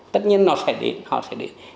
tất nhiên nó sẽ đến